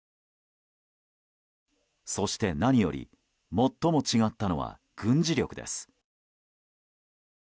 そして、何より最も違ったのは軍事力です。